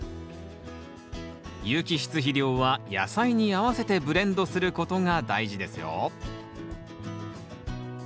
有機質肥料は野菜に合わせてブレンドすることが大事ですよ